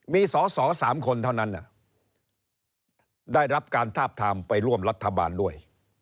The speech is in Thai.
มีสอสอ๓คนเท่านั้นได้รับการทาบทามไปร่วมรัฐบาลด้วย